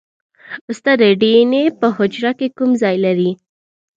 استاده ډي این اې په حجره کې کوم ځای لري